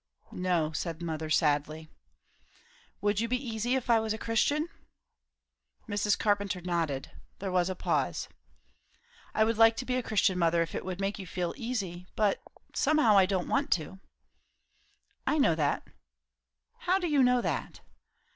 "No," said the mother sadly. "Would you be easy if I was a Christian?" Mrs. Carpenter nodded. There was a pause. "I would like to be a Christian, mother, if it would make you feel easy; but somehow I don't want to." "I know that." "How do you know that?"